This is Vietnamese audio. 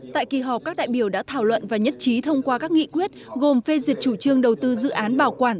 tại kỳ họp các đại biểu đã thảo luận và nhất trí thông qua các nghị quyết gồm phê duyệt chủ trương đầu tư dự án bảo quản